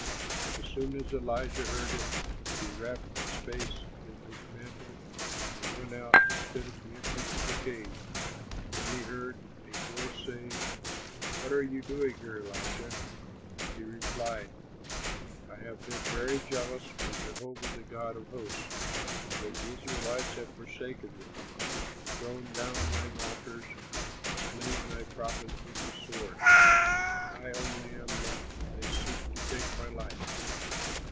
As soon as Elijah heard it, he wrapped his face in his mantle and went out and stood at the entrance of the cave. Then he heard a voice saying, "What are you doing here, Elijah?" He replied, "I have been very jealous for Jehovah the God of hosts, for the Israelites have forsaken thee, thrown down thine altars, and slain thy prophets with the sword, and I only am left; and they seek to take my life."